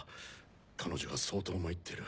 彼女が相当参ってる。